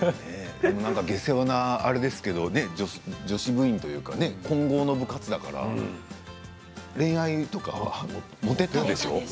下世話なあれですけど女子部員というか混合の部活だから恋愛とか、モテたでしょ？